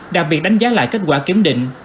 đặc biệt đánh giá lại kết quả kiểm định